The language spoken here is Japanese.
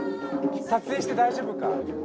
撮影して大丈夫か。